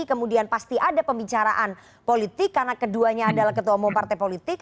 kemudian pasti ada pembicaraan politik karena keduanya adalah ketua umum partai politik